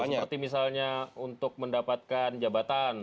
seperti misalnya untuk mendapatkan jabatan